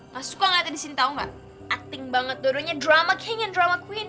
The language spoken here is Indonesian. masuko ngeliatin di sini tau gak acting banget dua duanya drama king dan drama queen